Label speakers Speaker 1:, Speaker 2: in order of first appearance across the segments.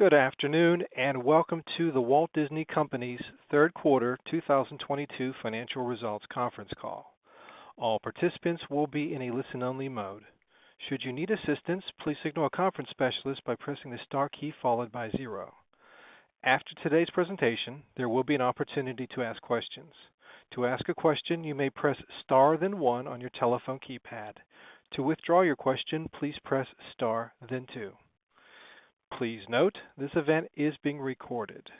Speaker 1: Good afternoon, and welcome to The Walt Disney Company's third quarter 2022 financial results conference call. All participants will be in a listen-only mode. Should you need assistance, please signal a conference specialist by pressing the star key followed by zero. After today's presentation, there will be an opportunity to ask questions. To ask a question, you may press star then one on your telephone keypad. To withdraw your question, please press star then two. Please note, this event is being recorded.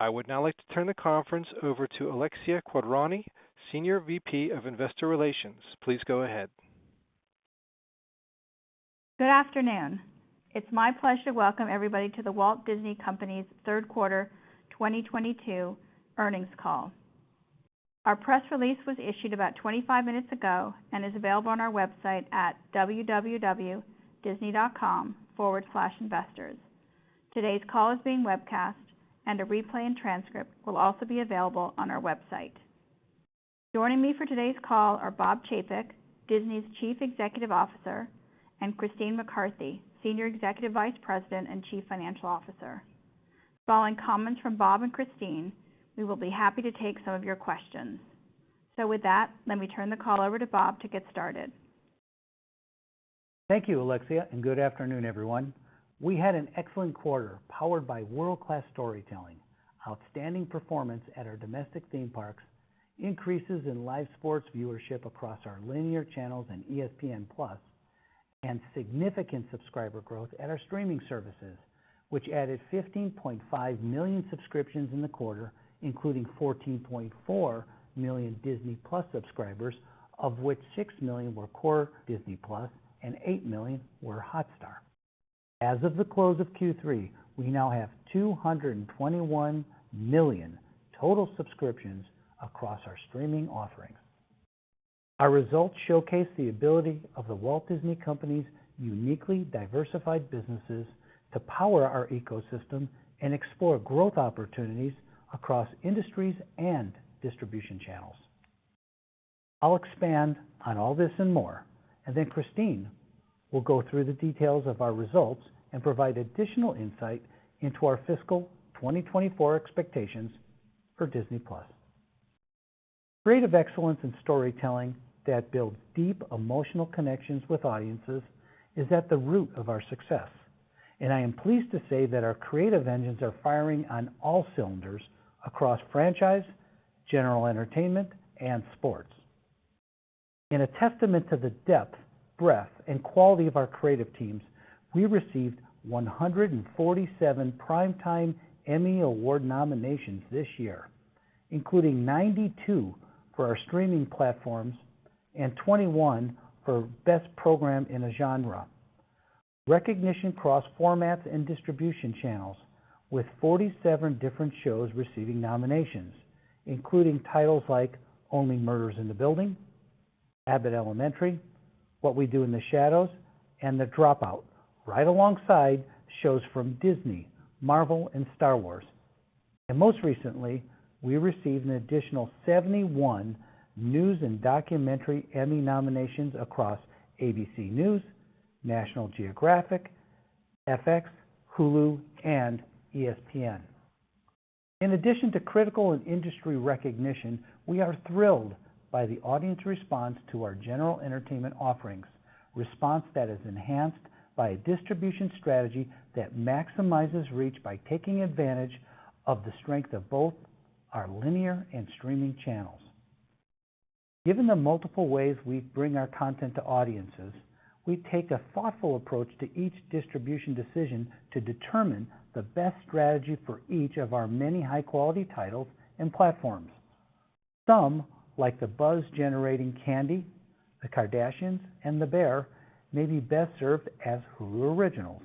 Speaker 1: I would now like to turn the conference over to Alexia Quadrani, Senior VP of Investor Relations. Please go ahead.
Speaker 2: Good afternoon. It's my pleasure to welcome everybody to The Walt Disney Company's third quarter 2022 earnings call. Our press release was issued about 25 minutes ago and is available on our website at www.disney.com/investors. Today's call is being webcast and a replay and transcript will also be available on our website. Joining me for today's call are Bob Chapek, Disney's Chief Executive Officer, and Christine McCarthy, Senior Executive Vice President and Chief Financial Officer. Following comments from Bob and Christine, we will be happy to take some of your questions. With that, let me turn the call over to Bob to get started.
Speaker 3: Thank you, Alexia, and good afternoon, everyone. We had an excellent quarter powered by world-class storytelling, outstanding performance at our domestic theme parks, increases in live sports viewership across our linear channels and ESPN+, and significant subscriber growth at our streaming services, which added 15.5 million subscriptions in the quarter, including 14.4 million Disney+ subscribers, of which 6 million were core Disney+ and 8 million were Hotstar. As of the close of Q3, we now have 221 million total subscriptions across our streaming offerings. Our results showcase the ability of The Walt Disney Company's uniquely diversified businesses to power our ecosystem and explore growth opportunities across industries and distribution channels. I'll expand on all this and more, and then Christine will go through the details of our results and provide additional insight into our fiscal 2024 expectations for Disney+. Creative excellence in storytelling that builds deep emotional connections with audiences is at the root of our success, and I am pleased to say that our creative engines are firing on all cylinders across franchise, general entertainment, and sports. In a testament to the depth, breadth, and quality of our creative teams, we received 147 primetime Emmy Award nominations this year, including 92 for our streaming platforms and 21 for best program in a genre. Recognition crossed formats and distribution channels with 47 different shows receiving nominations, including titles like Only Murders in the Building, Abbott Elementary, What We Do in the Shadows, and The Dropout, right alongside shows from Disney, Marvel, and Star Wars. Most recently, we received an additional 71 news and documentary Emmy nominations across ABC News, National Geographic, FX, Hulu, and ESPN. In addition to critical and industry recognition, we are thrilled by the audience response to our general entertainment offerings, response that is enhanced by a distribution strategy that maximizes reach by taking advantage of the strength of both our linear and streaming channels. Given the multiple ways we bring our content to audiences, we take a thoughtful approach to each distribution decision to determine the best strategy for each of our many high-quality titles and platforms. Some, like the buzz-generating Candy, The Kardashians, and The Bear, may be best served as Hulu originals.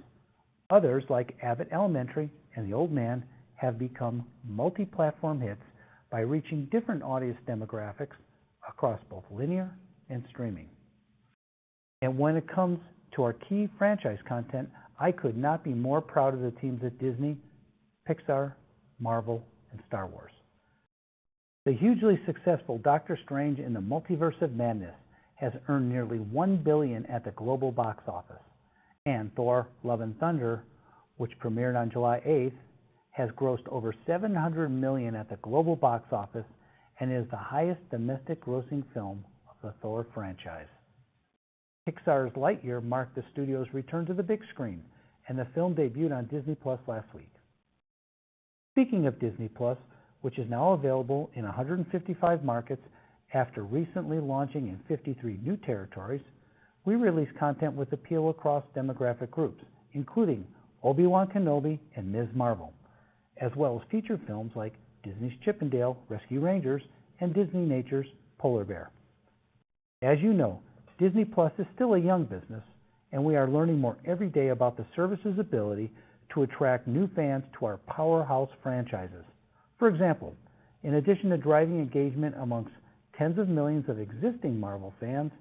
Speaker 3: Others, like Abbott Elementary and The Old Man, have become multi-platform hits by reaching different audience demographics across both linear and streaming. When it comes to our key franchise content, I could not be more proud of the teams at Disney, Pixar, Marvel, and Star Wars. The hugely successful Doctor Strange in the Multiverse of Madness has earned nearly $1 billion at the global box office, and Thor: Love and Thunder, which premiered on July 8th, has grossed over $700 million at the global box office and is the highest domestic grossing film of the Thor franchise. Pixar's Lightyear marked the studio's return to the big screen, and the film debuted on Disney+ last week. Speaking of Disney+, which is now available in 155 markets after recently launching in 53 new territories, we release content with appeal across demographic groups, including Obi-Wan Kenobi and Ms. Marvel, as well as feature films like Disney's Chip 'n Dale: Rescue Rangers and Disneynature's Polar Bear. As you know, Disney+ is still a young business, and we are learning more every day about the service's ability to attract new fans to our powerhouse franchises. For example, in addition to driving engagement among tens of millions of existing Marvel fans,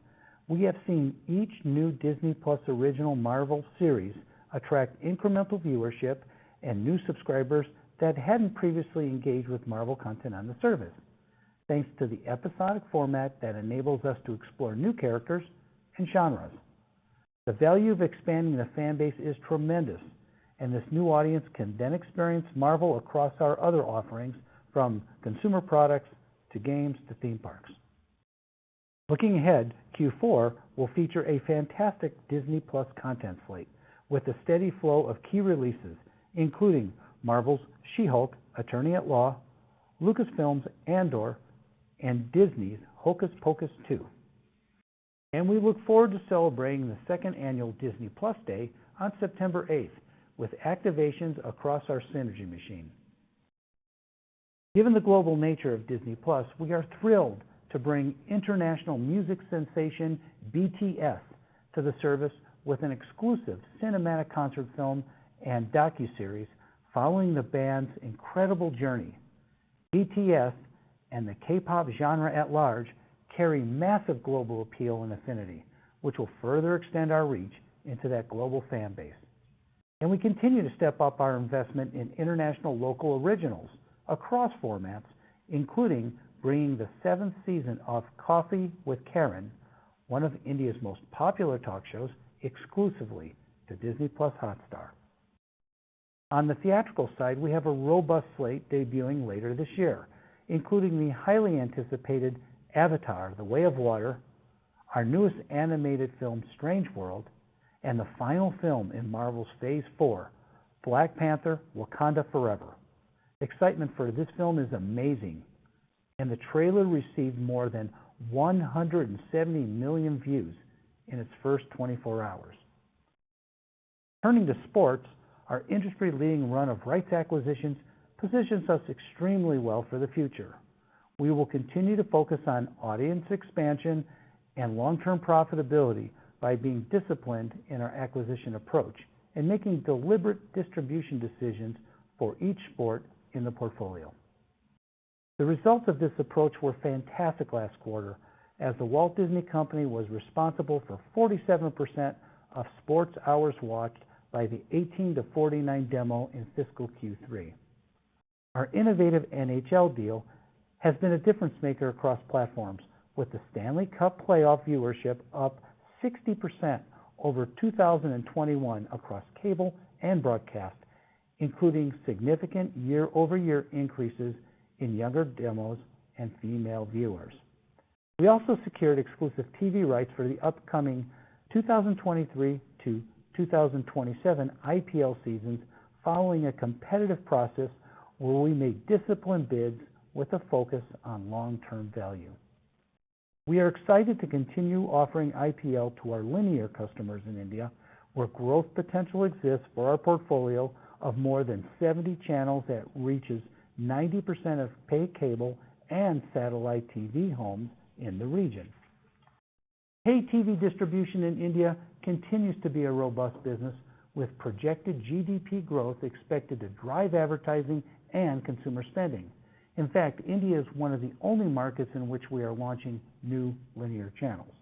Speaker 3: we have seen each new Disney+ original Marvel series attract incremental viewership and new subscribers that hadn't previously engaged with Marvel content on the service. Thanks to the episodic format that enables us to explore new characters and genres. The value of expanding the fan base is tremendous, and this new audience can then experience Marvel across our other offerings from consumer products to games to theme parks. Looking ahead, Q4 will feature a fantastic Disney+ content slate with a steady flow of key releases, including Marvel's She-Hulk: Attorney at Law, Lucasfilm's Andor, and Disney's Hocus Pocus 2. We look forward to celebrating the second annual Disney+ Day on September 8th with activations across our synergy machine. Given the global nature of Disney+, we are thrilled to bring international music sensation BTS to the service with an exclusive cinematic concert film and docuseries following the band's incredible journey. BTS and the K-pop genre at large carry massive global appeal and affinity, which will further extend our reach into that global fan base. We continue to step up our investment in international local originals across formats, including bringing the seventh season of Koffee with Karan, one of India's most popular talk shows, exclusively to Disney+ Hotstar. On the theatrical side, we have a robust slate debuting later this year, including the highly anticipated Avatar: The Way of Water, our newest animated film, Strange World, and the final film in Marvel's Phase Four, Black Panther: Wakanda Forever. Excitement for this film is amazing, and the trailer received more than 170 million views in its first 24 hours. Turning to sports, our industry-leading run of rights acquisitions positions us extremely well for the future. We will continue to focus on audience expansion and long-term profitability by being disciplined in our acquisition approach and making deliberate distribution decisions for each sport in the portfolio. The results of this approach were fantastic last quarter as The Walt Disney Company was responsible for 47% of sports hours watched by the 18-49 demo in fiscal Q3. Our innovative NHL deal has been a difference maker across platforms, with the Stanley Cup playoff viewership up 60% over 2021 across cable and broadcast, including significant year-over-year increases in younger demos and female viewers. We also secured exclusive TV rights for the upcoming 2023 to 2027 IPL seasons following a competitive process where we made disciplined bids with a focus on long-term value. We are excited to continue offering IPL to our linear customers in India, where growth potential exists for our portfolio of more than 70 channels that reaches 90% of paid cable and satellite TV homes in the region. Pay TV distribution in India continues to be a robust business, with projected GDP growth expected to drive advertising and consumer spending. In fact, India is one of the only markets in which we are launching new linear channels.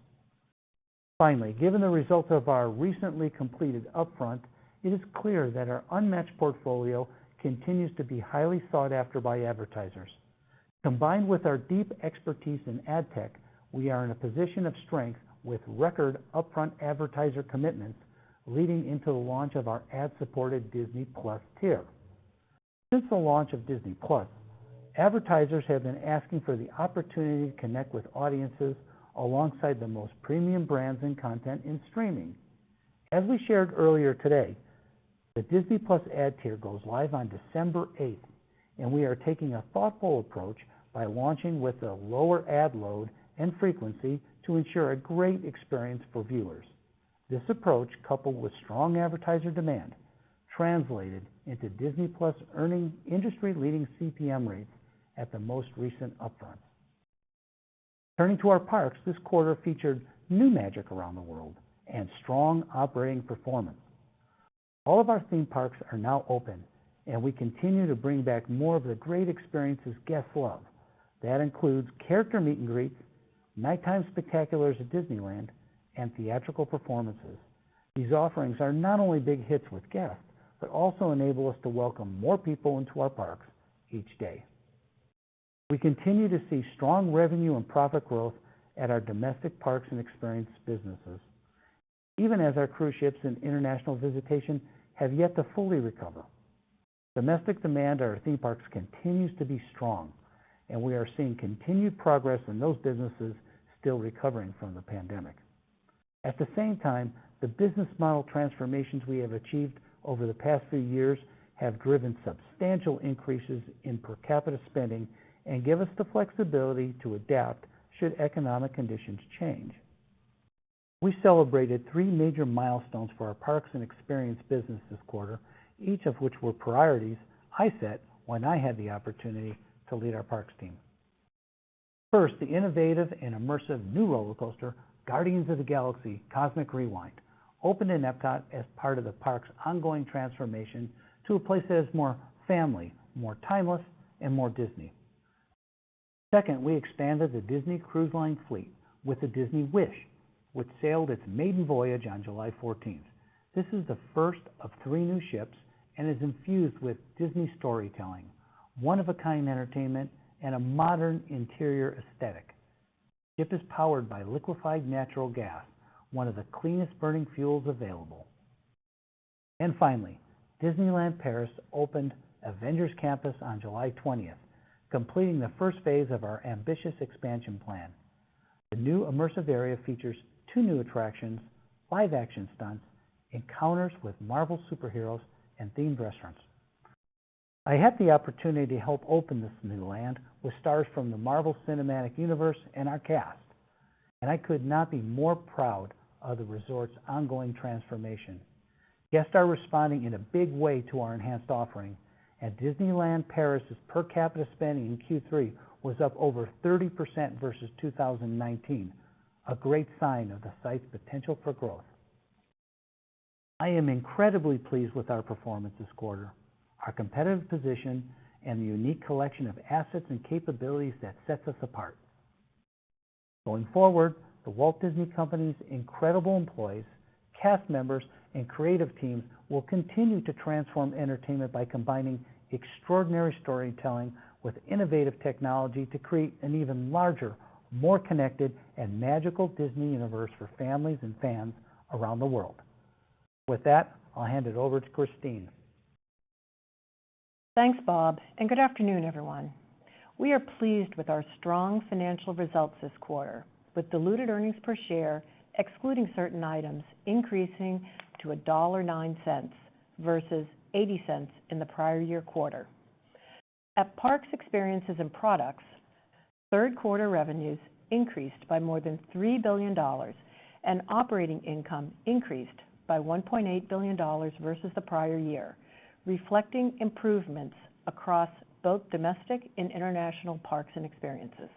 Speaker 3: Finally, given the results of our recently completed upfront, it is clear that our unmatched portfolio continues to be highly sought after by advertisers. Combined with our deep expertise in ad tech, we are in a position of strength with record upfront advertiser commitments leading into the launch of our ad-supported Disney+ tier. Since the launch of Disney+, advertisers have been asking for the opportunity to connect with audiences alongside the most premium brands and content in streaming. As we shared earlier today, the Disney+ ad tier goes live on December 8th, and we are taking a thoughtful approach by launching with a lower ad load and frequency to ensure a great experience for viewers. This approach, coupled with strong advertiser demand, translated into Disney+ earning industry-leading CPM rates at the most recent upfront. Turning to our parks, this quarter featured new magic around the world and strong operating performance. All of our theme parks are now open, and we continue to bring back more of the great experiences guests love. That includes character meet and greets, nighttime spectaculars at Disneyland, and theatrical performances. These offerings are not only big hits with guests, but also enable us to welcome more people into our parks each day. We continue to see strong revenue and profit growth at our domestic parks and experience businesses, even as our cruise ships and international visitation have yet to fully recover. Domestic demand at our theme parks continues to be strong, and we are seeing continued progress in those businesses still recovering from the pandemic. At the same time, the business model transformations we have achieved over the past few years have driven substantial increases in per capita spending and give us the flexibility to adapt should economic conditions change. We celebrated three major milestones for our Parks and Experiences business this quarter, each of which were priorities I set when I had the opportunity to lead our parks team. First, the innovative and immersive new roller coaster, Guardians of the Galaxy: Cosmic Rewind, opened in Epcot as part of the park's ongoing transformation to a place that is more family, more timeless, and more Disney. Second, we expanded the Disney Cruise Line fleet with the Disney Wish, which sailed its maiden voyage on July 14. This is the first of three new ships and is infused with Disney storytelling, one-of-a-kind entertainment, and a modern interior aesthetic. The ship is powered by liquefied natural gas, one of the cleanest burning fuels available. Finally, Disneyland Paris opened Avengers Campus on July 20, completing the first phase of our ambitious expansion plan. The new immersive area features two new attractions, live action stunts, encounters with Marvel superheroes and themed restaurants. I had the opportunity to help open this new land with stars from the Marvel Cinematic Universe and our cast, and I could not be more proud of the resort's ongoing transformation. Guests are responding in a big way to our enhanced offering. At Disneyland Paris's per capita spending in Q3 was up over 30% versus 2019, a great sign of the site's potential for growth. I am incredibly pleased with our performance this quarter, our competitive position, and the unique collection of assets and capabilities that sets us apart. Going forward, The Walt Disney Company's incredible employees, cast members, and creative teams will continue to transform entertainment by combining extraordinary storytelling with innovative technology to create an even larger, more connected and magical Disney universe for families and fans around the world. With that, I'll hand it over to Christine.
Speaker 4: Thanks, Bob, and good afternoon, everyone. We are pleased with our strong financial results this quarter, with diluted earnings per share, excluding certain items, increasing to $1.09 versus $0.80 in the prior year quarter. At Parks, Experiences and Products, third quarter revenues increased by more than $3 billion, and operating income increased by $1.8 billion versus the prior year, reflecting improvements across both domestic and international parks and experiences.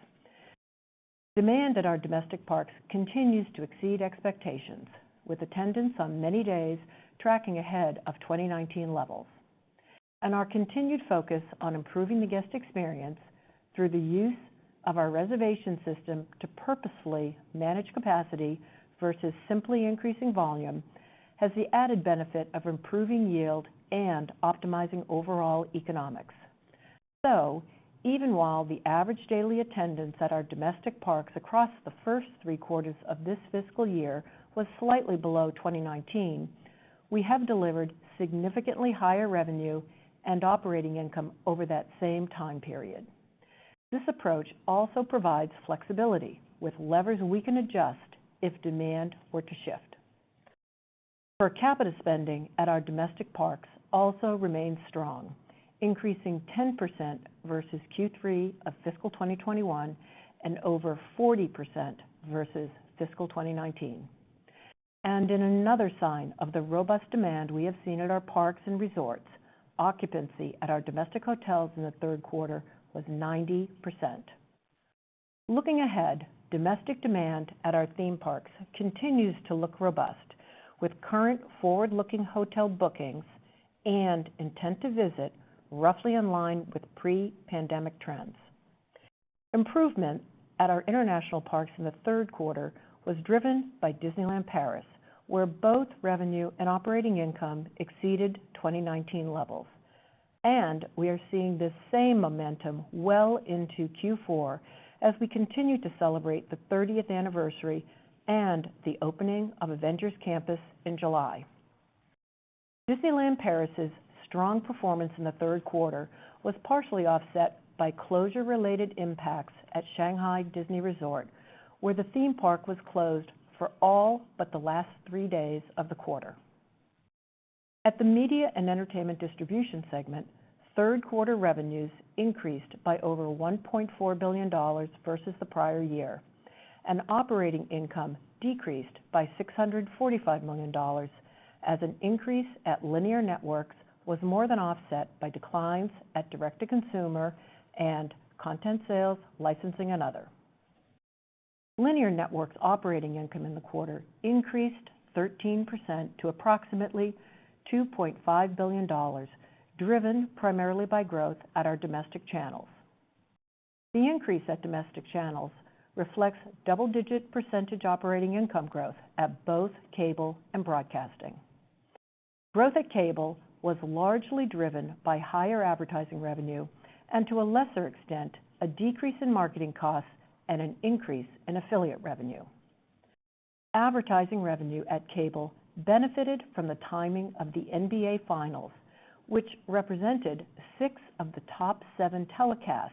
Speaker 4: Demand at our domestic parks continues to exceed expectations, with attendance on many days tracking ahead of 2019 levels. Our continued focus on improving the guest experience through the use of our reservation system to purposefully manage capacity versus simply increasing volume has the added benefit of improving yield and optimizing overall economics. Even while the average daily attendance at our domestic parks across the first three quarters of this fiscal year was slightly below 2019, we have delivered significantly higher revenue and operating income over that same time period. This approach also provides flexibility with levers we can adjust if demand were to shift. Per capita spending at our domestic parks also remains strong, increasing 10% versus Q3 of fiscal 2021 and over 40% versus fiscal 2019. In another sign of the robust demand we have seen at our parks and resorts, occupancy at our domestic hotels in the third quarter was 90%. Looking ahead, domestic demand at our theme parks continues to look robust with current forward-looking hotel bookings and intent to visit roughly in line with pre-pandemic trends. Improvement at our international parks in the third quarter was driven by Disneyland Paris, where both revenue and operating income exceeded 2019 levels. We are seeing this same momentum well into Q4 as we continue to celebrate the 30th anniversary and the opening of Avengers Campus in July. Disneyland Paris's strong performance in the third quarter was partially offset by closure-related impacts at Shanghai Disney Resort, where the theme park was closed for all but the last three days of the quarter. At the Media and Entertainment Distribution segment, third quarter revenues increased by over $1.4 billion versus the prior year, and operating income decreased by $645 million as an increase at Linear Networks was more than offset by declines at Direct to Consumer and Content Sales, Licensing and Other. Linear Networks operating income in the quarter increased 13% to approximately $2.5 billion, driven primarily by growth at our domestic channels. The increase at domestic channels reflects double-digit percentage operating income growth at both cable and broadcasting. Growth at cable was largely driven by higher advertising revenue and, to a lesser extent, a decrease in marketing costs and an increase in affiliate revenue. Advertising revenue at cable benefited from the timing of the NBA Finals, which represented six of the top seven telecasts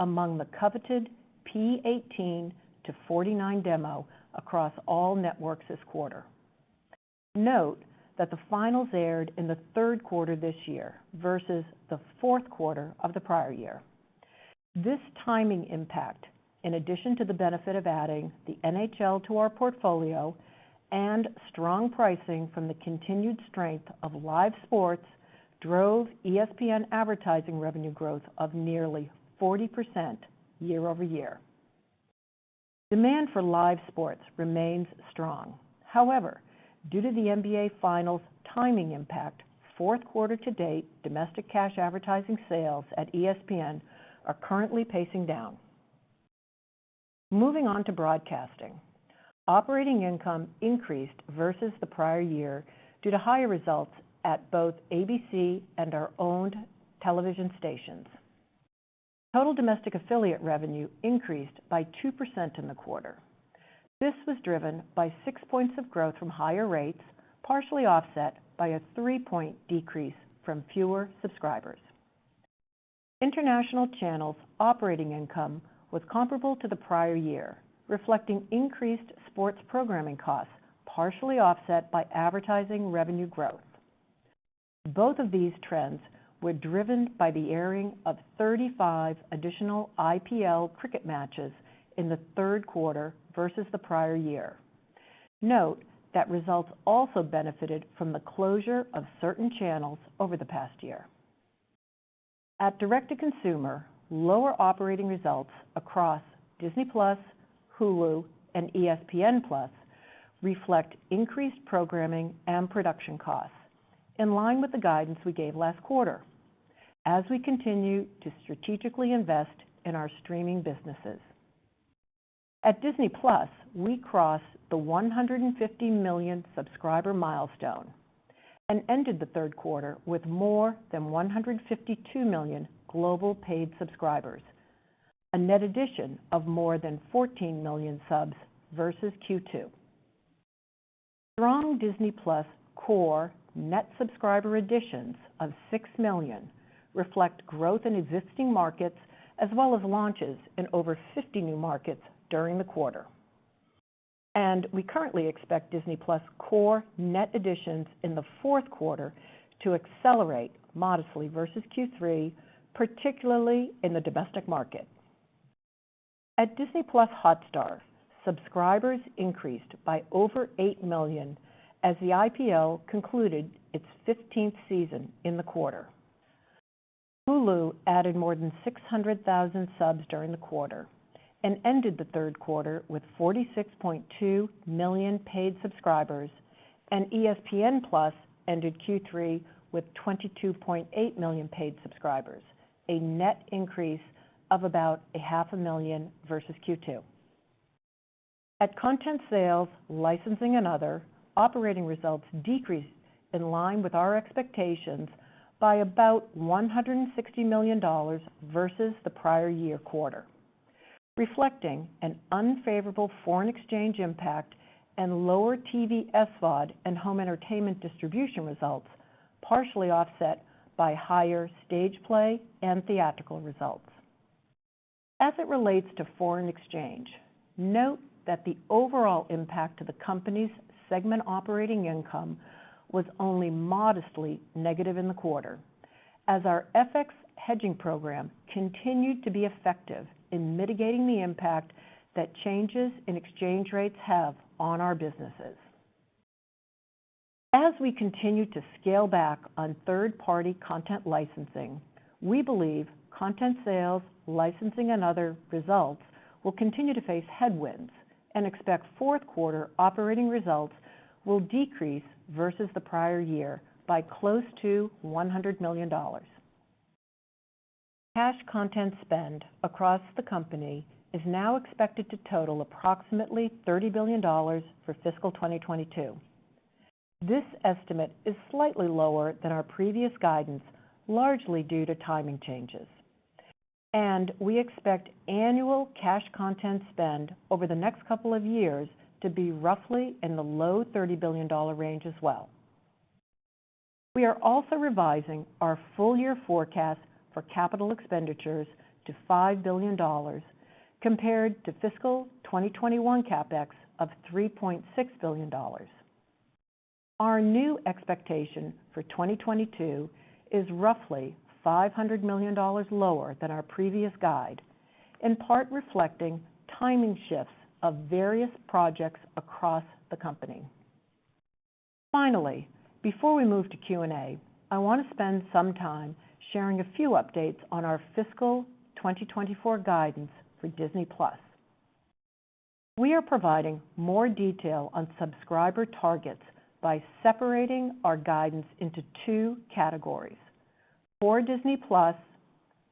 Speaker 4: among the coveted P18-49 demo across all networks this quarter. Note that the finals aired in the third quarter this year versus the fourth quarter of the prior year. This timing impact, in addition to the benefit of adding the NHL to our portfolio and strong pricing from the continued strength of live sports, drove ESPN advertising revenue growth of nearly 40% year-over-year. Demand for live sports remains strong. However, due to the NBA Finals timing impact, fourth quarter to date, domestic cash advertising sales at ESPN are currently pacing down. Moving on to broadcasting. Operating income increased versus the prior year due to higher results at both ABC and our owned television stations. Total domestic affiliate revenue increased by 2% in the quarter. This was driven by six points of growth from higher rates, partially offset by a three-point decrease from fewer subscribers. International channels operating income was comparable to the prior year, reflecting increased sports programming costs, partially offset by advertising revenue growth. Both of these trends were driven by the airing of 35 additional IPL cricket matches in the third quarter versus the prior year. Note that results also benefited from the closure of certain channels over the past year. At direct-to-consumer, lower operating results across Disney+, Hulu, and ESPN+ reflect increased programming and production costs in line with the guidance we gave last quarter as we continue to strategically invest in our streaming businesses. At Disney+, we crossed the 150 million subscriber milestone and ended the third quarter with more than 152 million global paid subscribers, a net addition of more than 14 million subs versus Q2. Strong Disney+ core net subscriber additions of 6 million reflect growth in existing markets as well as launches in over 50 new markets during the quarter. We currently expect Disney+ core net additions in the fourth quarter to accelerate modestly versus Q3, particularly in the domestic market. At Disney+ Hotstar, subscribers increased by over 8 million as the IPL concluded its 15th season in the quarter. Hulu added more than 600,000 subs during the quarter and ended the third quarter with 46.2 million paid subscribers, and ESPN+ ended Q3 with 22.8 million paid subscribers, a net increase of about 0.5 million versus Q2. At content sales, licensing and other, operating results decreased in line with our expectations by about $160 million versus the prior year quarter, reflecting an unfavorable foreign exchange impact and lower TV SVOD and home entertainment distribution results, partially offset by higher stage play and theatrical results. As it relates to foreign exchange, note that the overall impact to the company's segment operating income was only modestly negative in the quarter as our FX hedging program continued to be effective in mitigating the impact that changes in exchange rates have on our businesses. As we continue to scale back on third-party content licensing, we believe content sales, licensing and other results will continue to face headwinds and expect fourth quarter operating results will decrease versus the prior year by close to $100 million. Cash content spend across the company is now expected to total approximately $30 billion for fiscal 2022. This estimate is slightly lower than our previous guidance, largely due to timing changes. We expect annual cash content spend over the next couple of years to be roughly in the low $30 billion range as well. We are also revising our full year forecast for capital expenditures to $5 billion compared to fiscal 2021 CapEx of $3.6 billion. Our new expectation for 2022 is roughly $500 million lower than our previous guide, in part reflecting timing shifts of various projects across the company. Finally, before we move to Q&A, I want to spend some time sharing a few updates on our fiscal 2024 guidance for Disney+. We are providing more detail on subscriber targets by separating our guidance into two categories, core Disney+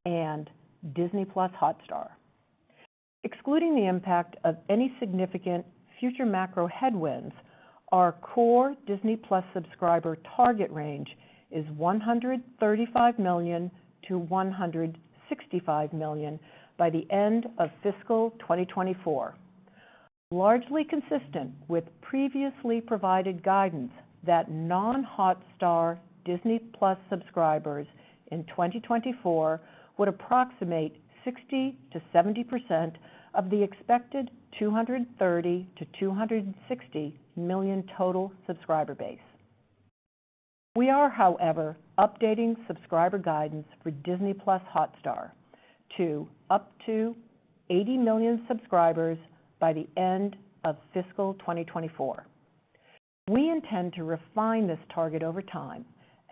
Speaker 4: and Disney+ Hotstar. Excluding the impact of any significant future macro headwinds, our core Disney+ subscriber target range is 135 million-165 million by the end of fiscal 2024. Largely consistent with previously provided guidance that non-Hotstar Disney+ subscribers in 2024 would approximate 60%-70% of the expected 230million-260 million total subscriber base. We are, however, updating subscriber guidance for Disney+ Hotstar to up to 80 million subscribers by the end of fiscal 2024. We intend to refine this target over time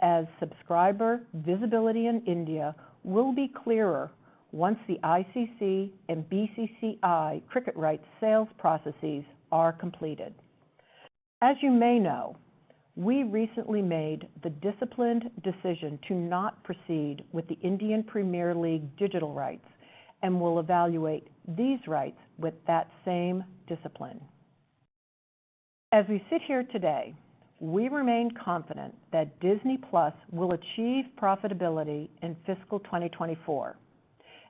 Speaker 4: as subscriber visibility in India will be clearer once the ICC and BCCI cricket rights sales processes are completed. As you may know, we recently made the disciplined decision to not proceed with the Indian Premier League digital rights and will evaluate these rights with that same discipline. As we sit here today, we remain confident that Disney+ will achieve profitability in fiscal 2024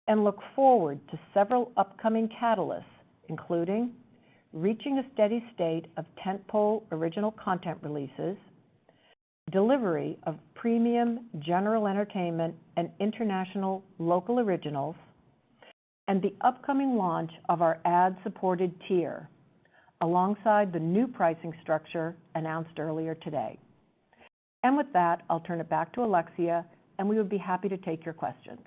Speaker 4: and look forward to several upcoming catalysts, including reaching a steady state of tent-pole original content releases, delivery of premium general entertainment and international local originals, and the upcoming launch of our ad-supported tier alongside the new pricing structure announced earlier today. With that, I'll turn it back to Alexia, and we would be happy to take your questions.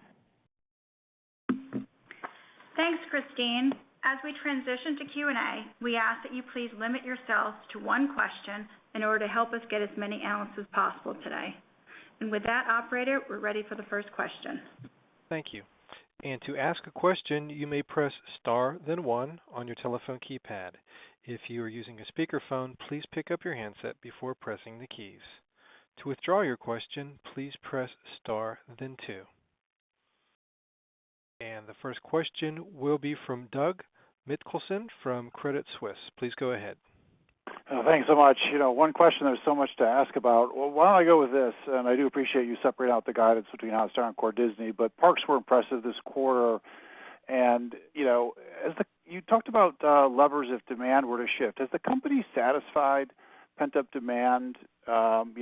Speaker 2: Thanks, Christine. As we transition to Q&A, we ask that you please limit yourselves to one question in order to help us get as many analysts as possible today. With that, operator, we're ready for the first question.
Speaker 1: Thank you. To ask a question, you may press star then one on your telephone keypad. If you are using a speakerphone, please pick up your handset before pressing the keys. To withdraw your question, please press star then two. The first question will be from Doug Mitchelson from Credit Suisse. Please go ahead.
Speaker 5: Thanks so much. You know, one question there's so much to ask about. Why don't I go with this, and I do appreciate you separating out the guidance between Hotstar and core Disney, but parks were impressive this quarter. You talked about levers if demand were to shift. Has the company satisfied pent-up demand, you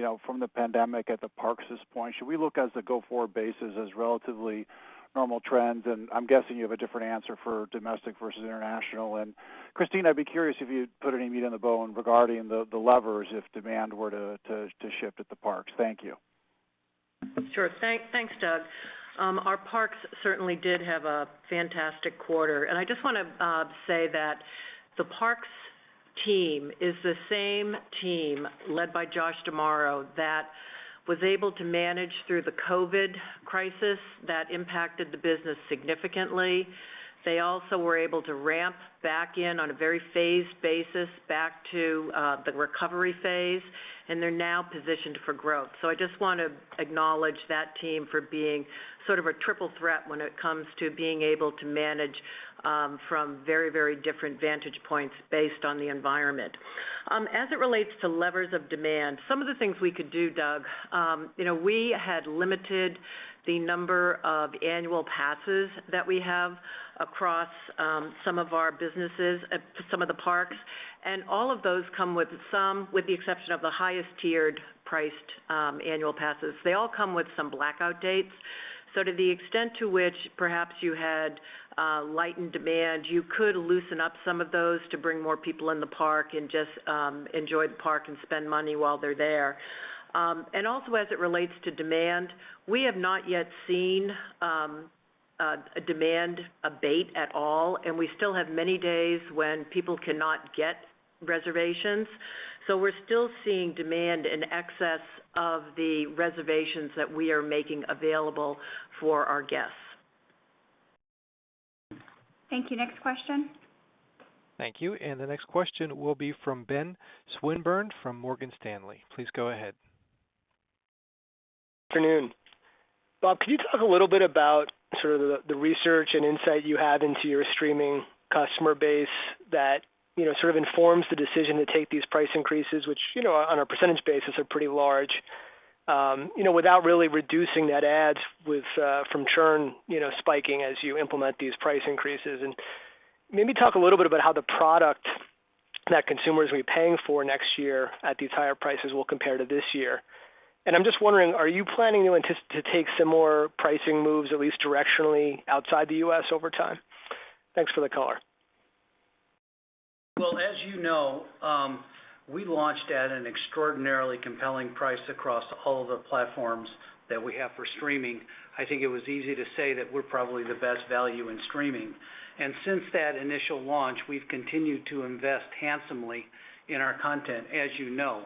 Speaker 5: know, from the pandemic at the parks at this point? Should we look at the go-forward basis as relatively normal trends? I'm guessing you have a different answer for domestic versus international. Christine, I'd be curious if you'd put any meat on the bone regarding the levers if demand were to shift at the parks. Thank you.
Speaker 4: Sure. Thanks, Doug. Our parks certainly did have a fantastic quarter. I just wanna say that the parks team is the same team led by Josh D'Amaro that was able to manage through the COVID crisis that impacted the business significantly. They also were able to ramp back in on a very phased basis back to the recovery phase, and they're now positioned for growth. I just want to acknowledge that team for being sort of a triple threat when it comes to being able to manage from very, very different vantage points based on the environment. As it relates to levers of demand, some of the things we could do, Doug, you know, we had limited the number of annual passes that we have across some of our businesses at some of the parks. All of those come with some, with the exception of the highest tiered priced annual passes. They all come with some blackout dates. To the extent to which perhaps you had lightened demand, you could loosen up some of those to bring more people in the park and just enjoy the park and spend money while they're there. As it relates to demand, we have not yet seen demand abate at all, and we still have many days when people cannot get reservations. We're still seeing demand in excess of the reservations that we are making available for our guests.
Speaker 2: Thank you. Next question.
Speaker 1: Thank you. The next question will be from Ben Swinburne from Morgan Stanley. Please go ahead.
Speaker 6: Afternoon. Bob, can you talk a little bit about sort of the research and insight you have into your streaming customer base that, you know, sort of informs the decision to take these price increases, which, you know, on a percentage basis are pretty large, you know, without really reducing that ad-supported from churn, you know, spiking as you implement these price increases? Maybe talk a little bit about how the product that consumers will be paying for next year at these higher prices will compare to this year. I'm just wondering, are you planning to take some more pricing moves, at least directionally, outside the U.S. over time? Thanks for the color.
Speaker 3: Well, as you know, we launched at an extraordinarily compelling price across all of the platforms that we have for streaming. I think it was easy to say that we're probably the best value in streaming. Since that initial launch, we've continued to invest handsomely in our content, as you know.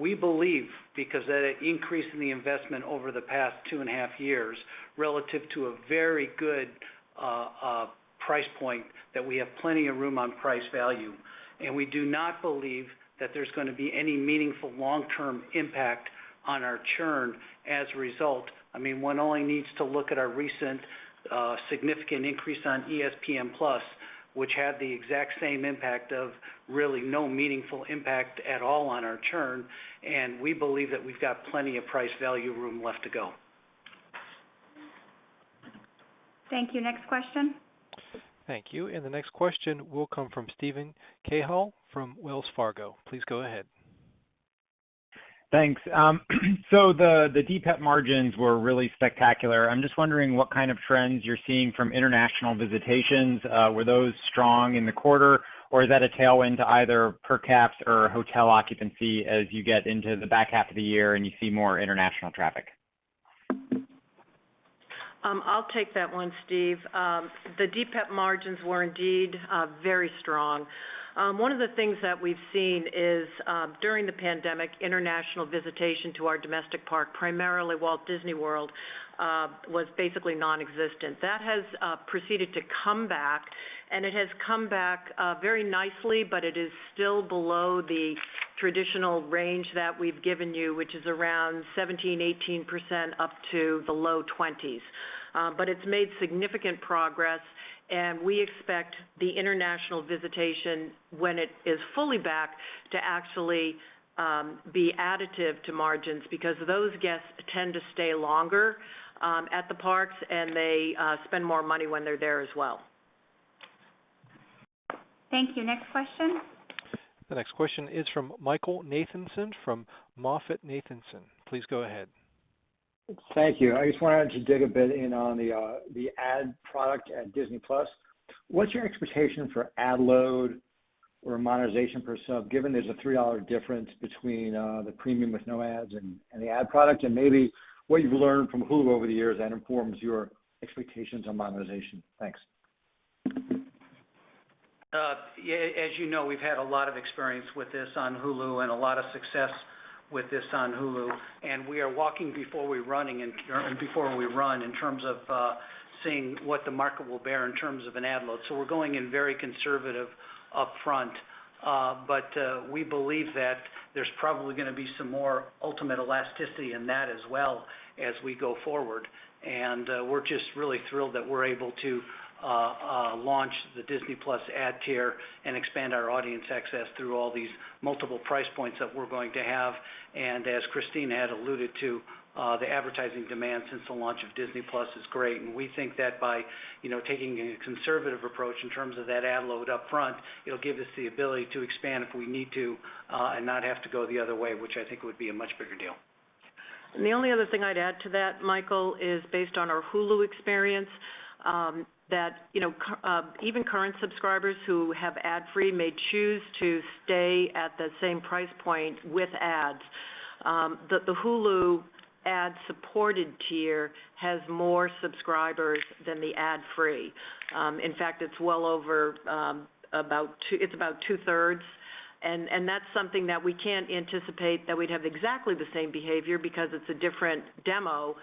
Speaker 3: We believe because of that increase in the investment over the past 2.5 Years relative to a very good price point, that we have plenty of room on price value. We do not believe that there's gonna be any meaningful long-term impact on our churn as a result. I mean, one only needs to look at our recent significant increase on ESPN+, which had the exact same impact of really no meaningful impact at all on our churn. We believe that we've got plenty of price value room left to go.
Speaker 2: Thank you. Next question.
Speaker 1: Thank you. The next question will come from Steven Cahall from Wells Fargo. Please go ahead.
Speaker 7: Thanks. The DPEP margins were really spectacular. I'm just wondering what kind of trends you're seeing from international visitations. Were those strong in the quarter, or is that a tailwind to either per caps or hotel occupancy as you get into the back half of the year and you see more international traffic?
Speaker 4: I'll take that one, Steve. The DPEP margins were indeed very strong. One of the things that we've seen is during the pandemic, international visitation to our domestic park, primarily Walt Disney World, was basically nonexistent. That has proceeded to come back, and it has come back very nicely, but it is still below the traditional range that we've given you, which is around 17%-18% up to the low 20s. It's made significant progress, and we expect the international visitation, when it is fully back, to actually be additive to margins because those guests tend to stay longer at the parks, and they spend more money when they're there as well.
Speaker 2: Thank you. Next question?
Speaker 1: The next question is from Michael Nathanson from MoffettNathanson. Please go ahead.
Speaker 8: Thank you. I just wanted to dig a bit in on the ad product at Disney+. What's your expectation for ad load or monetization per se, given there's a $3 difference between the premium with no ads and the ad product, and maybe what you've learned from Hulu over the years that informs your expectations on monetization? Thanks.
Speaker 3: Yeah, as you know, we've had a lot of experience with this on Hulu and a lot of success with this on Hulu, and we are walking before we run in terms of seeing what the market will bear in terms of an ad load. We're going in very conservative upfront. We believe that there's probably gonna be some more ultimate elasticity in that as well as we go forward. We're just really thrilled that we're able to launch the Disney+ ad tier and expand our audience access through all these multiple price points that we're going to have. As Christine had alluded to, the advertising demand since the launch of Disney+ is great. We think that by, you know, taking a conservative approach in terms of that ad load upfront, it'll give us the ability to expand if we need to, and not have to go the other way, which I think would be a much bigger deal.
Speaker 4: The only other thing I'd add to that, Michael, is based on our Hulu experience, that, you know, even current subscribers who have ad-free may choose to stay at the same price point with ads. The Hulu ad-supported tier has more subscribers than the ad-free. In fact, it's well over about two-thirds. That's something that we can't anticipate that we'd have exactly the same behavior because it's a different demo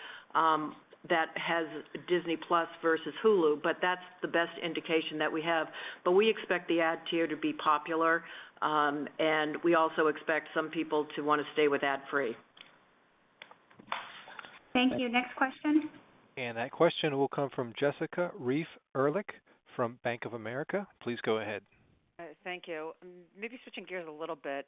Speaker 4: that has Disney+ versus Hulu, but that's the best indication that we have. We expect the ad tier to be popular, and we also expect some people to wanna stay with ad-free.
Speaker 2: Thank you. Next question?
Speaker 1: That question will come from Jessica Reif Ehrlich from Bank of America. Please go ahead.
Speaker 9: Thank you. Maybe switching gears a little bit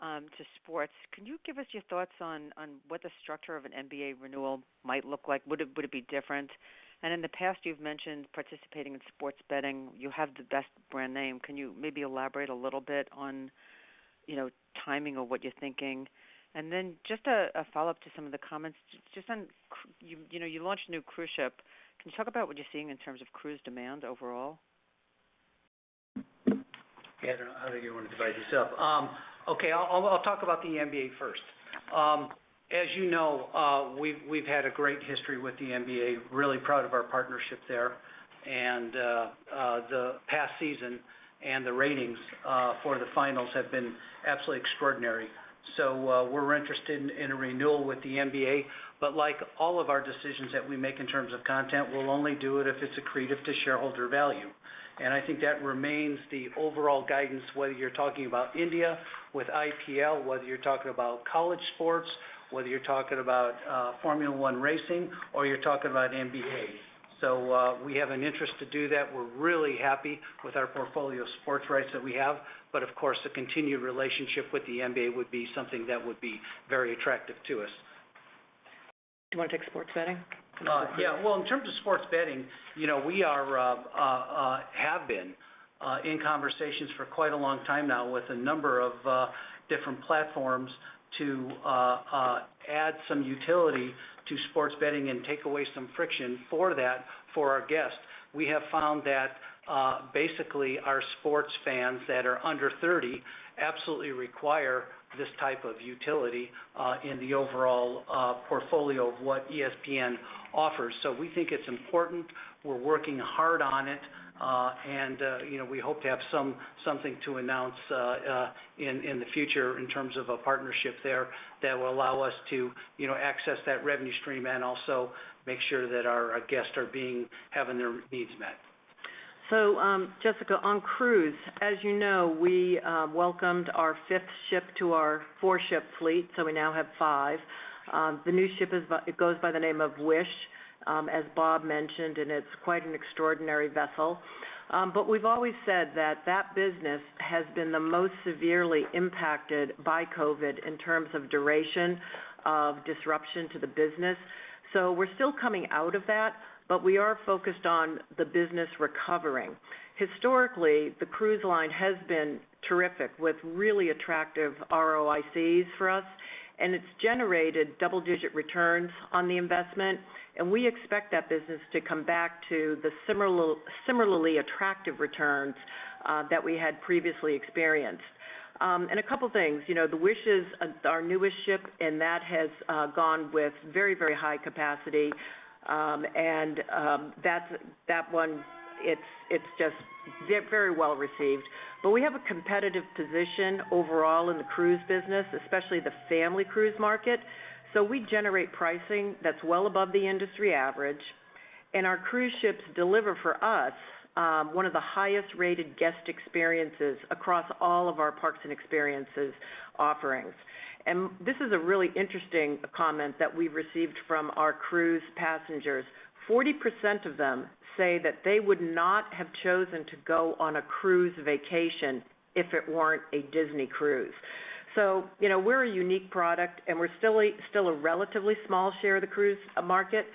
Speaker 9: to sports. Can you give us your thoughts on what the structure of an NBA renewal might look like? Would it be different? In the past, you've mentioned participating in sports betting. You have the best brand name. Can you maybe elaborate a little bit on, you know, timing of what you're thinking? Then just a follow-up to some of the comments. Just on, you know, you launched a new cruise ship. Can you talk about what you're seeing in terms of cruise demand overall?
Speaker 3: Yeah, I don't know how you want to divide this up. Okay, I'll talk about the NBA first. As you know, we've had a great history with the NBA, really proud of our partnership there. The past season and the ratings for the finals have been absolutely extraordinary. We're interested in a renewal with the NBA. Like all of our decisions that we make in terms of content, we'll only do it if it's accretive to shareholder value. I think that remains the overall guidance, whether you're talking about India with IPL, whether you're talking about college sports, whether you're talking about Formula One racing, or you're talking about NBA. We have an interest to do that. We're really happy with our portfolio of sports rights that we have. Of course, the continued relationship with the NBA would be something that would be very attractive to us.
Speaker 4: Do you want to take sports betting?
Speaker 3: Well, in terms of sports betting, you know, we have been in conversations for quite a long time now with a number of different platforms to add some utility to sports betting and take away some friction for that for our guests. We have found that, basically our sports fans that are under 30 absolutely require this type of utility, in the overall, portfolio of what ESPN offers. We think it's important. We're working hard on it. You know, we hope to have something to announce, in the future in terms of a partnership there that will allow us to, you know, access that revenue stream and also make sure that our guests are having their needs met.
Speaker 4: Jessica, on cruise, as you know, we welcomed our fifth ship to our four-ship fleet, so we now have five. The new ship, it goes by the name of Wish, as Bob mentioned, and it's quite an extraordinary vessel. We've always said that that business has been the most severely impacted by COVID in terms of duration of disruption to the business. We're still coming out of that, but we are focused on the business recovering. Historically, the cruise line has been terrific with really attractive ROICs for us, and it's generated double-digit returns on the investment, and we expect that business to come back to the similarly attractive returns that we had previously experienced. A couple of things. You know, the Wish is our newest ship, and that has gone with very, very high capacity. That's that one. It's just very well-received. We have a competitive position overall in the cruise business, especially the family cruise market. We generate pricing that's well above the industry average. Our cruise ships deliver for us one of the highest-rated guest experiences across all of our parks and experiences offerings. This is a really interesting comment that we received from our cruise passengers. 40% of them say that they would not have chosen to go on a cruise vacation if it weren't a Disney cruise. You know, we're a unique product, and we're still a relatively small share of the cruise market,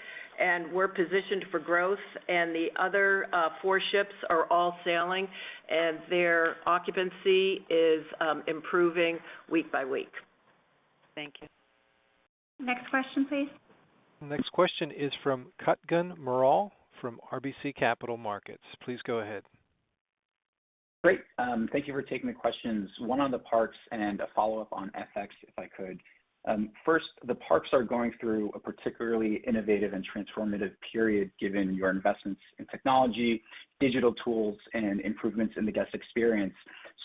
Speaker 4: and we're positioned for growth. The other four ships are all sailing, and their occupancy is improving week by week.
Speaker 9: Thank you.
Speaker 2: Next question, please.
Speaker 1: Next question is from Kutgun Maral from RBC Capital Markets. Please go ahead.
Speaker 10: Great. Thank you for taking the questions, one on the parks and a follow-up on FX, if I could. First, the parks are going through a particularly innovative and transformative period, given your investments in technology, digital tools, and improvements in the guest experience.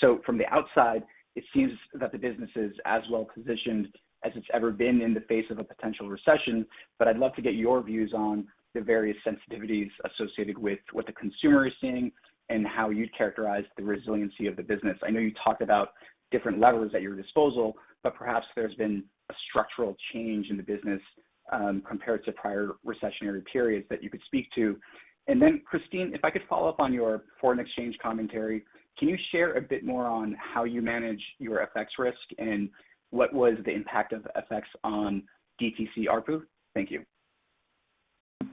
Speaker 10: From the outside, it seems that the business is as well-positioned as it's ever been in the face of a potential recession. I'd love to get your views on the various sensitivities associated with what the consumer is seeing and how you characterize the resiliency of the business. I know you talked about different levers at your disposal, but perhaps there's been a structural change in the business, compared to prior recessionary periods that you could speak to. Christine, if I could follow up on your foreign exchange commentary, can you share a bit more on how you manage your FX risk and what was the impact of FX on DTC ARPU? Thank you.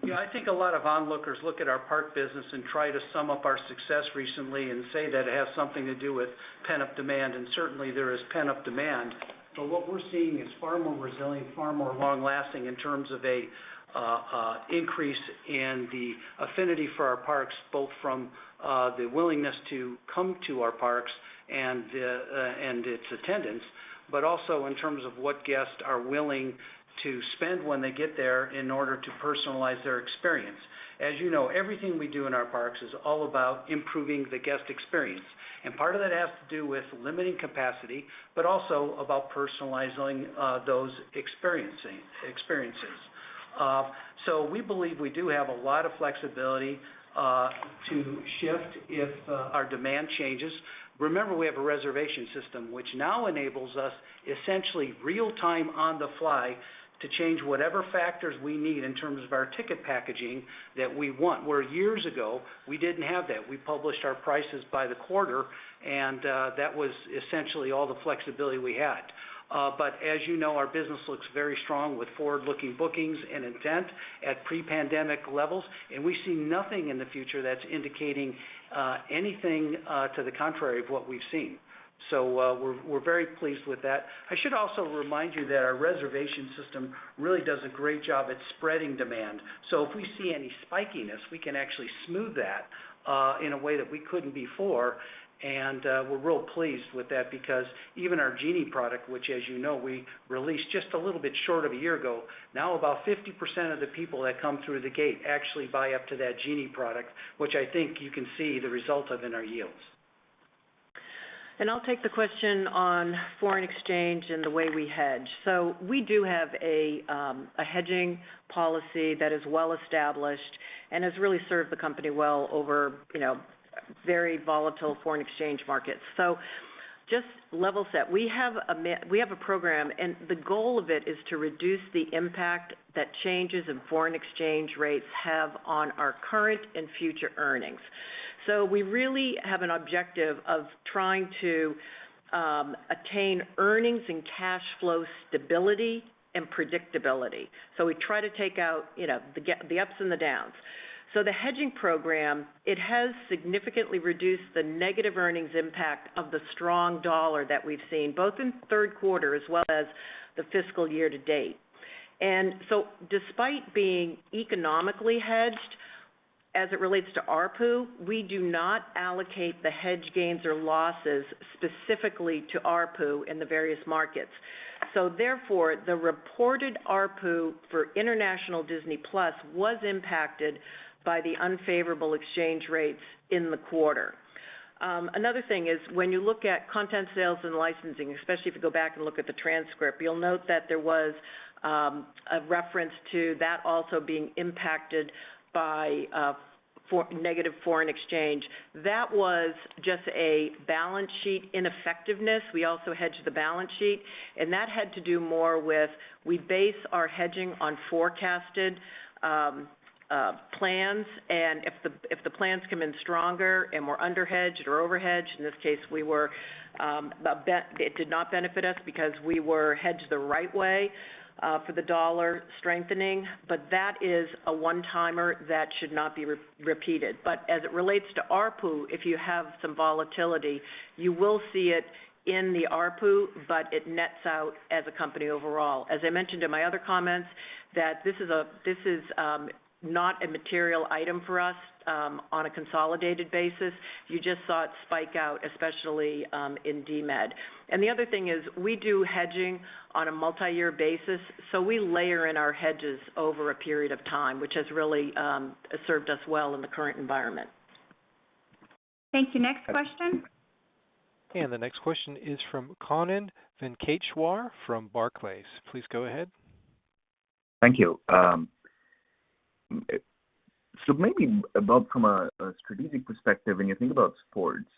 Speaker 3: Yeah. I think a lot of onlookers look at our park business and try to sum up our success recently and say that it has something to do with pent-up demand, and certainly, there is pent-up demand. What we're seeing is far more resilient, far more long-lasting in terms of an increase in the affinity for our parks, both from the willingness to come to our parks and its attendance, but also in terms of what guests are willing to spend when they get there in order to personalize their experience. As you know, everything we do in our parks is all about improving the guest experience. Part of that has to do with limiting capacity, but also about personalizing those experiences. We believe we do have a lot of flexibility to shift if our demand changes. Remember, we have a reservation system which now enables us essentially real-time on the fly to change whatever factors we need in terms of our ticket packaging that we want, where years ago, we didn't have that. We published our prices by the quarter, and that was essentially all the flexibility we had. As you know, our business looks very strong with forward-looking bookings and intent at pre-pandemic levels, and we see nothing in the future that's indicating anything to the contrary of what we've seen. We're very pleased with that. I should also remind you that our reservation system really does a great job at spreading demand. If we see any spikiness, we can actually smooth that in a way that we couldn't before. We're real pleased with that because even our Genie product, which as you know, we released just a little bit short of a year ago, now about 50% of the people that come through the gate actually buy up to that Genie product, which I think you can see the result of in our yields.
Speaker 4: I'll take the question on foreign exchange and the way we hedge. We do have a hedging policy that is well established and has really served the company well over very volatile foreign exchange markets. Just level set. We have a program, and the goal of it is to reduce the impact that changes in foreign exchange rates have on our current and future earnings. We really have an objective of trying to attain earnings and cash flow stability and predictability. We try to take out the ups and the downs. The hedging program, it has significantly reduced the negative earnings impact of the strong dollar that we've seen, both in third quarter as well as the fiscal year to date. Despite being economically hedged as it relates to ARPU, we do not allocate the hedge gains or losses specifically to ARPU in the various markets. Therefore, the reported ARPU for international Disney+ was impacted by the unfavorable exchange rates in the quarter. Another thing is when you look at content sales and licensing, especially if you go back and look at the transcript, you'll note that there was a reference to that also being impacted by negative foreign exchange. That was just a balance sheet ineffectiveness. We also hedge the balance sheet, and that had to do more with we base our hedging on forecasted plans. If the plans come in stronger and we're under-hedged or over-hedged, in this case it did not benefit us because we were hedged the right way for the dollar strengthening. That is a one-timer that should not be repeated. As it relates to ARPU, if you have some volatility, you will see it in the ARPU, but it nets out as a company overall. As I mentioned in my other comments that this is not a material item for us on a consolidated basis. You just saw it spike out, especially in DMED. The other thing is we do hedging on a multi-year basis, so we layer in our hedges over a period of time, which has really served us well in the current environment.
Speaker 2: Thank you. Next question.
Speaker 1: The next question is from Kannan Venkateshwar from Barclays. Please go ahead.
Speaker 11: Thank you. Maybe from a strategic perspective, when you think about sports,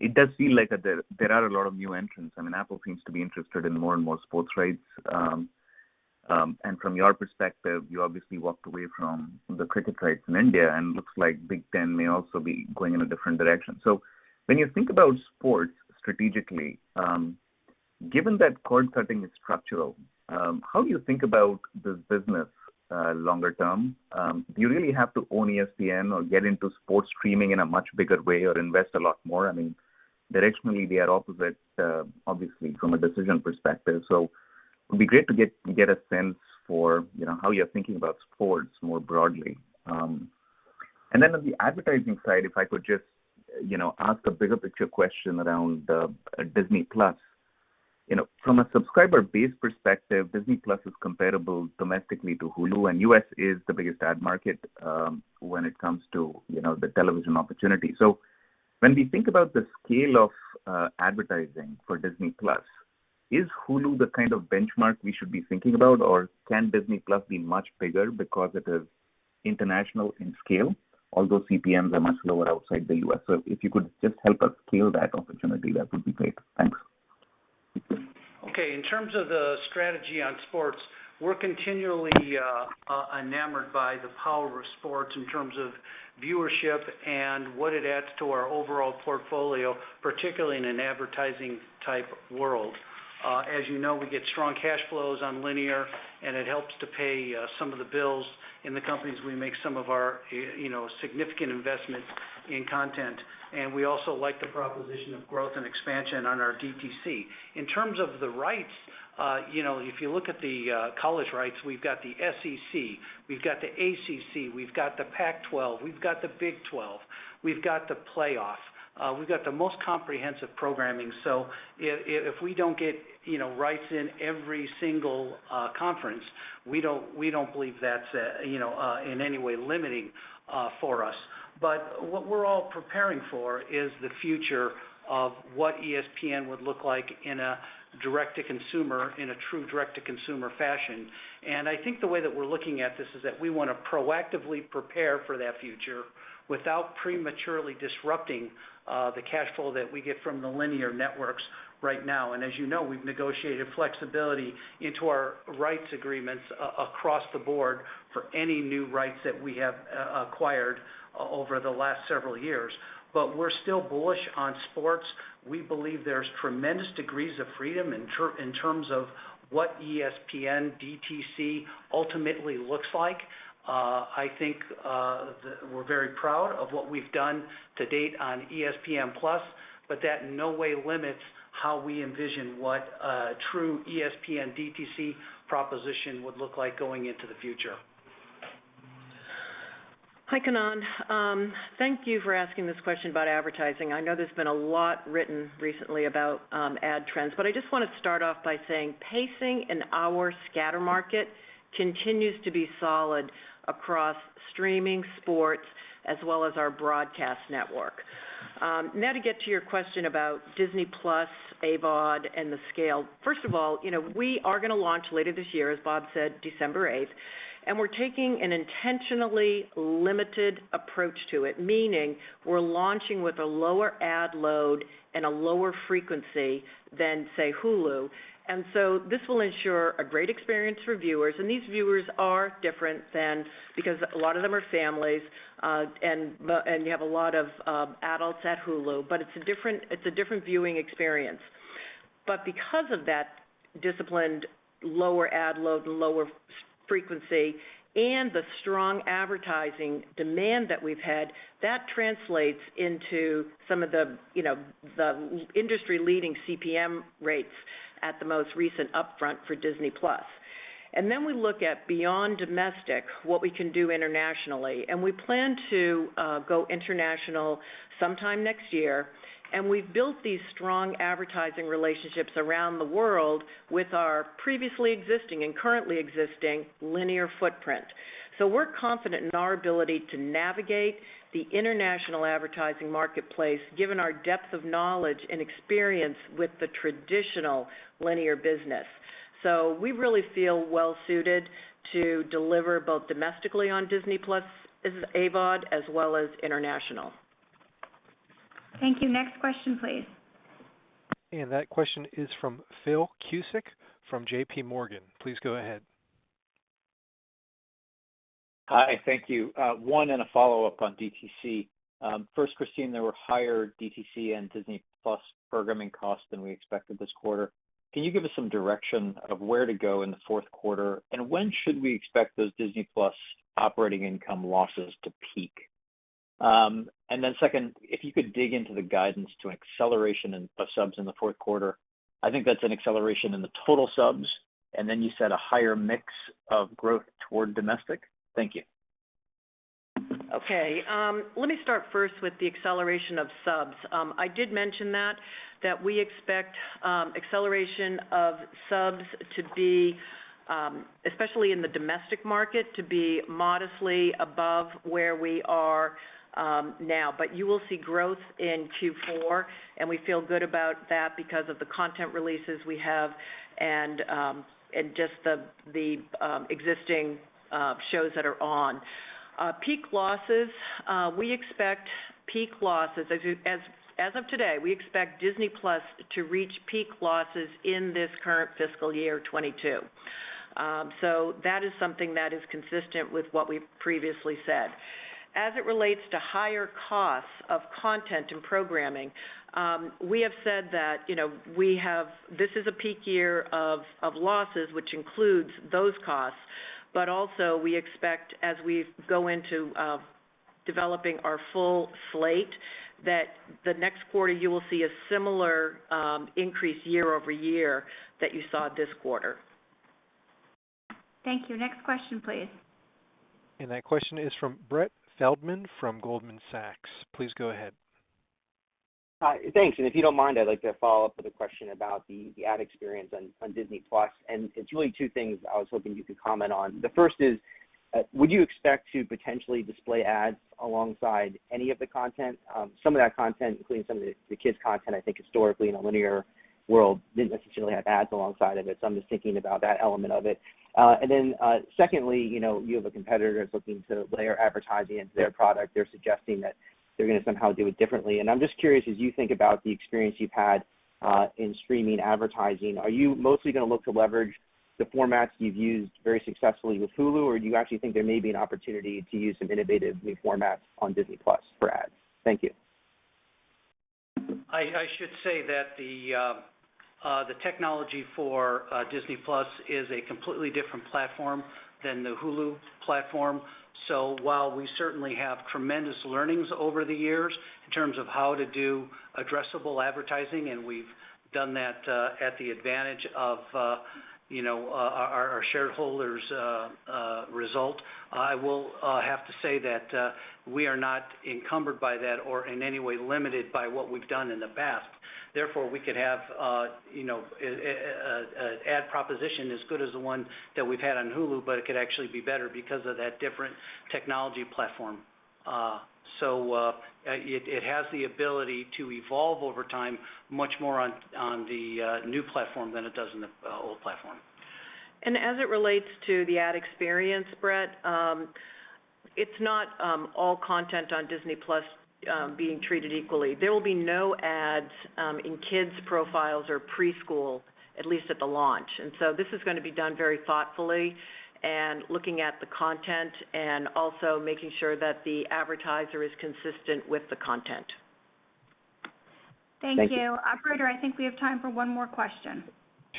Speaker 11: it does seem like there are a lot of new entrants. I mean, Apple seems to be interested in more and more sports rights. From your perspective, you obviously walked away from the cricket rights in India, and looks like Big Ten may also be going in a different direction. When you think about sports strategically, given that cord-cutting is structural, how do you think about this business longer term? Do you really have to own ESPN or get into sports streaming in a much bigger way or invest a lot more? I mean, directionally, they are opposite, obviously from a decision perspective. It'd be great to get a sense for, you know, how you're thinking about sports more broadly. on the advertising side, if I could just, you know, ask a bigger picture question around, Disney+. You know, from a subscriber base perspective, Disney+ is comparable domestically to Hulu, and U.S. is the biggest ad market, when it comes to, you know, the television opportunity. When we think about the scale of, advertising for Disney+, is Hulu the kind of benchmark we should be thinking about? Or can Disney+ be much bigger because it is international in scale, although CPMs are much lower outside the U.S.? If you could just help us scale that opportunity, that would be great. Thanks.
Speaker 3: Okay. In terms of the strategy on sports, we're continually enamored by the power of sports in terms of viewership and what it adds to our overall portfolio, particularly in an advertising type world. As you know, we get strong cash flows on linear, and it helps to pay some of the bills in the company we make some of our, you know, significant investments in content. We also like the proposition of growth and expansion on our DTC. In terms of the rights, you know, if you look at the college rights, we've got the SEC, we've got the ACC, we've got the Pac-12, we've got the Big 12, we've got the playoff. We've got the most comprehensive programming. If we don't get, you know, rights in every single conference, we don't believe that's in any way limiting for us. What we're all preparing for is the future of what ESPN would look like in a direct-to-consumer, in a true direct-to-consumer fashion. I think the way that we're looking at this is that we wanna proactively prepare for that future without prematurely disrupting the cash flow that we get from the linear networks right now. As you know, we've negotiated flexibility into our rights agreements across the board for any new rights that we have acquired over the last several years. We're still bullish on sports. We believe there's tremendous degrees of freedom in terms of what ESPN DTC ultimately looks like. I think, we're very proud of what we've done to date on ESPN+, but that in no way limits how we envision what a true ESPN DTC proposition would look like going into the future.
Speaker 4: Hi, Kannan Venkateshwar. Thank you for asking this question about advertising. I know there's been a lot written recently about ad trends. I just wanna start off by saying pacing in our scatter market continues to be solid across streaming sports as well as our broadcast network. To get to your question about Disney+ AVOD and the scale. First of all, you know, we are gonna launch later this year, as Bob Chapek said, December 8th. We're taking an intentionally limited approach to it, meaning we're launching with a lower ad load and a lower frequency than, say, Hulu. This will ensure a great experience for viewers, and these viewers are different than because a lot of them are families, and you have a lot of adults at Hulu, but it's a different viewing experience. Because of that disciplined lower ad load, lower scatter frequency, and the strong advertising demand that we've had, that translates into some of the, you know, the industry-leading CPM rates at the most recent upfront for Disney+. We look at beyond domestic, what we can do internationally. We plan to go international sometime next year, and we've built these strong advertising relationships around the world with our previously existing and currently existing linear footprint. We're confident in our ability to navigate the international advertising marketplace given our depth of knowledge and experience with the traditional linear business. We really feel well suited to deliver both domestically on Disney+ as AVOD as well as international.
Speaker 2: Thank you. Next question, please.
Speaker 1: That question is from Philip Cusick from JPMorgan. Please go ahead.
Speaker 12: Hi. Thank you. One and a follow-up on DTC. First, Christine, there were higher DTC and Disney+ programming costs than we expected this quarter. Can you give us some direction of where to go in the fourth quarter? When should we expect those Disney+ operating income losses to peak? Second, if you could dig into the guidance to an acceleration in, of subs in the fourth quarter. I think that's an acceleration in the total subs, and then you set a higher mix of growth toward domestic. Thank you.
Speaker 4: Okay. Let me start first with the acceleration of subs. I did mention that we expect acceleration of subs to be especially in the domestic market modestly above where we are now. You will see growth in Q4, and we feel good about that because of the content releases we have and just the existing shows that are on. Peak losses. We expect, as of today, Disney+ to reach peak losses in this current fiscal year 2022. That is something that is consistent with what we've previously said. As it relates to higher costs of content and programming, we have said that, you know, we have... This is a peak year of losses, which includes those costs, but also we expect as we go into developing our full slate, that the next quarter you will see a similar increase year over year that you saw this quarter.
Speaker 2: Thank you. Next question, please.
Speaker 1: That question is from Brett Feldman from Goldman Sachs. Please go ahead.
Speaker 13: Hi. Thanks. If you don't mind, I'd like to follow up with a question about the ad experience on Disney+. It's really two things I was hoping you could comment on. The first is, would you expect to potentially display ads alongside any of the content? Some of that content, including some of the kids content, I think historically in a linear world didn't necessarily have ads alongside of it. I'm just thinking about that element of it. Then, secondly, you know, you have a competitor that's looking to layer advertising into their product. They're suggesting that they're gonna somehow do it differently. I'm just curious, as you think about the experience you've had, in streaming advertising, are you mostly gonna look to leverage the formats you've used very successfully with Hulu? Do you actually think there may be an opportunity to use some innovative new formats on Disney+ for ads? Thank you.
Speaker 3: I should say that the technology for Disney+ is a completely different platform than the Hulu platform. While we certainly have tremendous learnings over the years in terms of how to do addressable advertising, and we've done that to the advantage of our shareholders, I will have to say that we are not encumbered by that or in any way limited by what we've done in the past. Therefore, we could have, you know, an ad proposition as good as the one that we've had on Hulu, but it could actually be better because of that different technology platform. It has the ability to evolve over time much more on the new platform than it does on the old platform.
Speaker 4: As it relates to the ad experience, Brett, it's not all content on Disney+ being treated equally. There will be no ads in kids' profiles or preschool, at least at the launch. This is gonna be done very thoughtfully and looking at the content and also making sure that the advertiser is consistent with the content.
Speaker 13: Thank you.
Speaker 2: Thank you. Operator, I think we have time for one more question.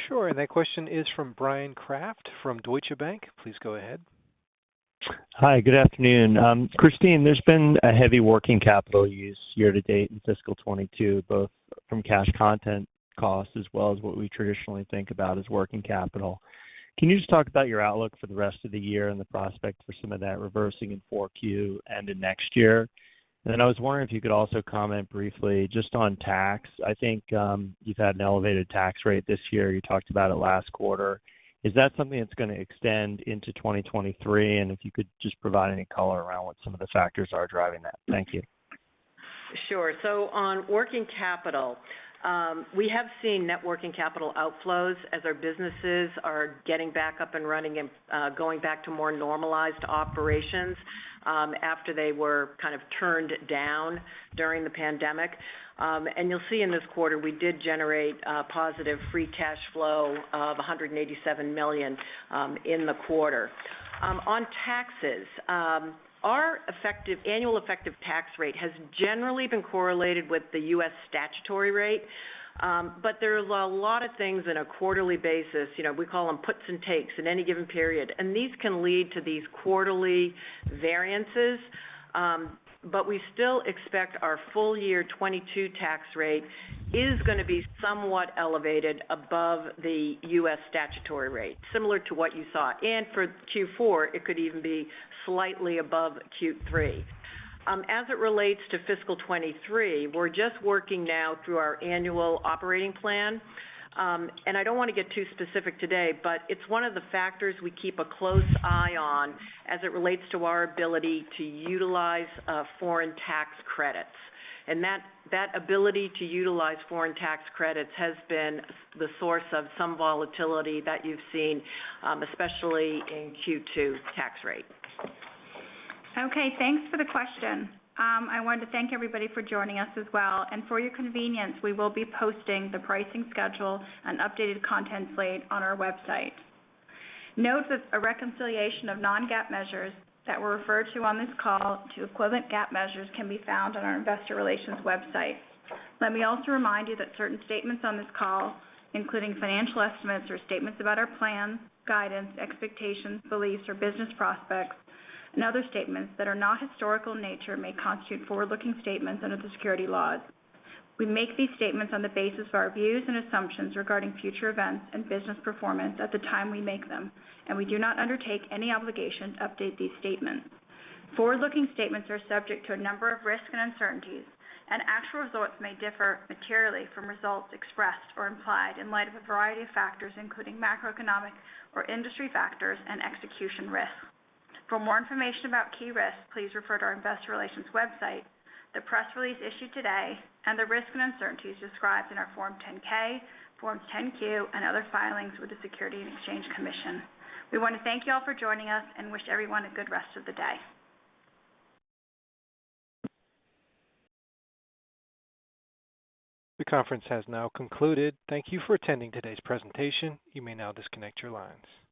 Speaker 1: Sure. That question is from Bryan Kraft from Deutsche Bank. Please go ahead.
Speaker 14: Hi. Good afternoon. Christine, there's been a heavy working capital use year to date in fiscal 2022, both from cash content costs as well as what we traditionally think about as working capital. Can you just talk about your outlook for the rest of the year and the prospects for some of that reversing in 4Q and in next year? I was wondering if you could also comment briefly just on tax. I think, you've had an elevated tax rate this year. You talked about it last quarter. Is that something that's gonna extend into 2023? If you could just provide any color around what some of the factors are driving that. Thank you.
Speaker 4: Sure. On working capital, we have seen net working capital outflows as our businesses are getting back up and running and, going back to more normalized operations, after they were kind of turned down during the pandemic. You'll see in this quarter, we did generate positive free cash flow of $187 million in the quarter. On taxes, our annual effective tax rate has generally been correlated with the U.S. statutory rate. There's a lot of things on a quarterly basis, you know, we call them puts and takes in any given period, and these can lead to these quarterly variances. We still expect our full year 2022 tax rate is gonna be somewhat elevated above the U.S. statutory rate, similar to what you saw. For Q4, it could even be slightly above Q3. As it relates to fiscal 2023, we're just working now through our annual operating plan. I don't wanna get too specific today, but it's one of the factors we keep a close eye on as it relates to our ability to utilize foreign tax credits. That ability to utilize foreign tax credits has been the source of some volatility that you've seen, especially in Q2 tax rate.
Speaker 2: Okay, thanks for the question. I want to thank everybody for joining us as well. For your convenience, we will be posting the pricing schedule and updated content slate on our website. Note that a reconciliation of non-GAAP measures that were referred to on this call to equivalent GAAP measures can be found on our investor relations website. Let me also remind you that certain statements on this call, including financial estimates or statements about our plans, guidance, expectations, beliefs, or business prospects, and other statements that are not historical in nature may constitute forward-looking statements under the securities laws. We make these statements on the basis of our views and assumptions regarding future events and business performance at the time we make them, and we do not undertake any obligation to update these statements. Forward-looking statements are subject to a number of risks and uncertainties, and actual results may differ materially from results expressed or implied in light of a variety of factors, including macroeconomic or industry factors and execution risks. For more information about key risks, please refer to our investor relations website, the press release issued today, and the risks and uncertainties described in our Form 10-K, Form 10-Q, and other filings with the Securities and Exchange Commission. We want to thank you all for joining us and wish everyone a good rest of the day.
Speaker 1: The conference has now concluded. Thank you for attending today's presentation. You may now disconnect your lines.